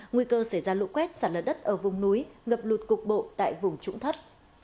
nguy cơ xảy ra lũ quét sản lật đất ở vùng núi ngập lụt cục bộ tại vùng trũng thất